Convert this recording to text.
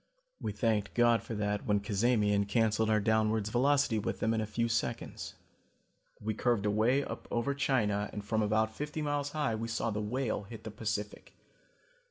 We thanked God for that when Cazamian canceled our downwards velocity with them in a few seconds. We curved away up over China and from about fifty miles high we saw the Whale hit the Pacific.